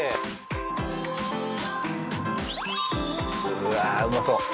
うわあうまそう。